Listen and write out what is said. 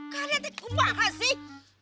kalian teh kembar sih